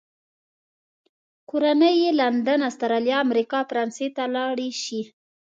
کورنۍ یې لندن، استرالیا، امریکا او فرانسې ته لاړې شي.